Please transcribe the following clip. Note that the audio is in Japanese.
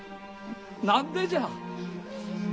何でじゃ。